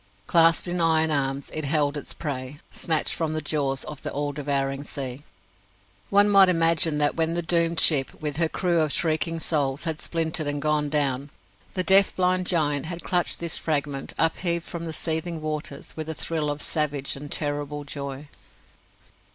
Clasped in iron arms, it held its prey, snatched from the jaws of the all devouring sea. One might imagine that, when the doomed ship, with her crew of shrieking souls, had splintered and gone down, the deaf, blind giant had clutched this fragment, upheaved from the seething waters, with a thrill of savage and terrible joy.